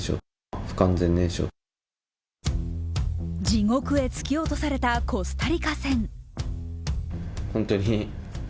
地獄へ突き落とされたコスタリカ戦。